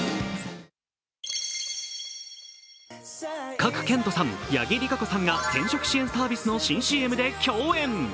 賀来賢人さん、八木莉可子さんが転職支援サービスの新ＣＭで共演。